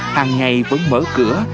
hàng ngày vẫn mở cửa